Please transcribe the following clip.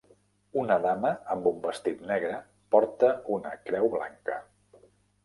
una dama amb un vestit negre porta una creu blanca.